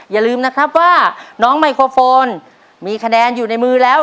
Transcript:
อย่าลืมนะครับว่าน้องไมโครโฟนมีคะแนนอยู่ในมือแล้ว